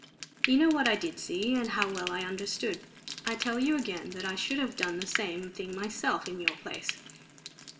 You know what I did see, and how well I understood. I tell you again that I should have done the same thing myself, in your place.